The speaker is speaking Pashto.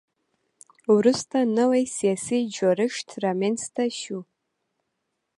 وروسته نوی سیاسي جوړښت رامنځته شو.